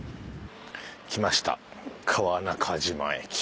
来ました「川中島駅」。